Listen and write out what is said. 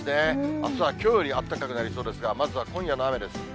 あすはきょうよりあったかくなりそうですが、まずは今夜の雨です。